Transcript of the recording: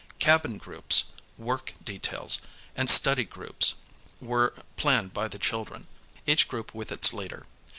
Cabin groups, work details, and studv groups were platined by the children, each group with its leader.